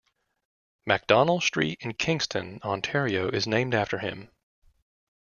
Macdonell Street in Kingston, Ontario is named after him.